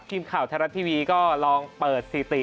ทีมข่าวไทยรัฐทีวีก็ลองเปิดสถิติ